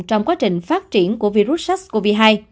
trong quá trình phát triển của virus sars cov hai